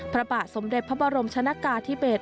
พระบาทสมเด็จพระบรมชนะกาธิเบศ